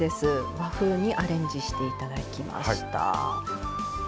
和風にアレンジしていただきました。